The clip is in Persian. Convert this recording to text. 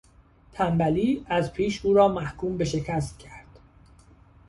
تنبلی از پیش او را محکوم به شکست کرد.